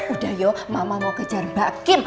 udah yo mama mau kejar mbak kim